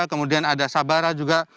kemudian ada sabara juga